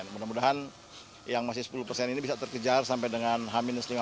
mudah mudahan yang masih sepuluh persen ini bisa terkejar sampai dengan h lima belas